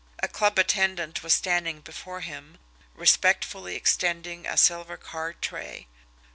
A club attendant was standing before him, respectfully extending a silver card tray.